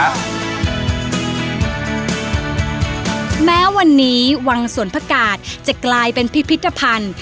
แม้วันนี้วังสวนพระกาศจะกลายเป็นพิพิธภัณฑ์